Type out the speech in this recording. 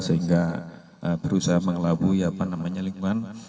sehingga berusaha mengelabui lingkungan